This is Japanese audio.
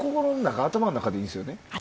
頭の中でいいんですね。